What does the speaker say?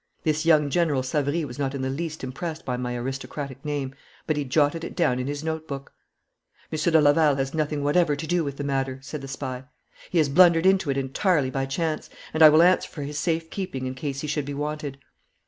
This young General Savary was not in the least impressed by my aristocratic name, but he jotted it down in his notebook. 'Monsieur de Laval has nothing whatever to do with the matter,' said the spy. 'He has blundered into it entirely by chance, and I will answer for his safe keeping in case he should be wanted.'